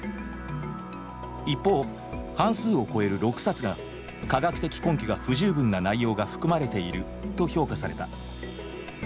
一方半数を超える６冊が「科学的根拠が不十分な内容が含まれている」と評価された。